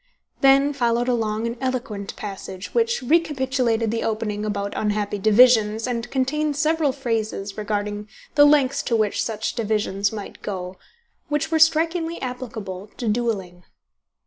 Then followed a long and eloquent passage, which recapitulated the opening about unhappy divisions, and contained several phrases, regarding the lengths to which such divisions might go, which were strikingly applicable to duelling.